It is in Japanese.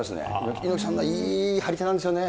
猪木さんのいい張り手なんですよね。